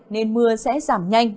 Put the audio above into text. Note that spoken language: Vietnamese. nên mưa sẽ giảm nhanh